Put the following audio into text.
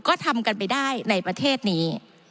ก็ทำกันไปได้ในประเทศนี้